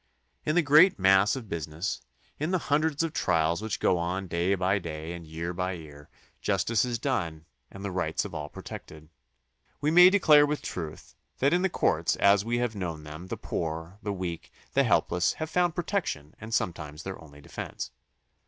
In the great mass of business, in the hundreds of trials which go on day by day and year by year, justice is done and the rights of all protected. We may declare with truth that in the courts, as we have known them, the poor, the weak, the helpless have found protection and sometimes their only defence.